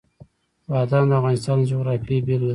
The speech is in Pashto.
بادام د افغانستان د جغرافیې بېلګه ده.